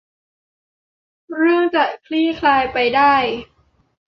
เรื่องจะคลี่คลายไปได้